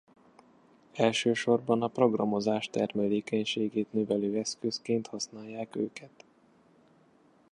Elsősorban a programozás termelékenységét növelő eszközként használják őket.